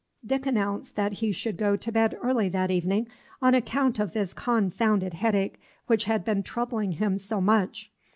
Dick announced that he should go to bed early that evening, on account of this confounded headache which had been troubling him so much.